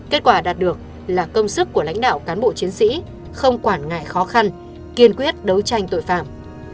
kết quả đạt được là công sức của lãnh đạo cán bộ chiến sĩ không quản ngại khó khăn kiên quyết đấu tranh tội phạm